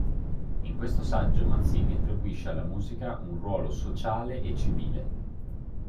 In questo saggio Mazzini attribuisce alla musica un ruolo sociale e civile.